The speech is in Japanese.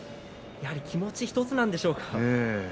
やはり気持ち１つなんでしょうか。